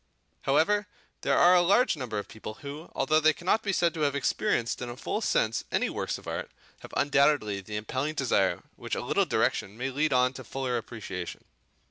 However, there are a large number of people who, although they cannot be said to have experienced in a full sense any works of art, have undoubtedly the impelling desire which a little direction may lead on to a fuller appreciation.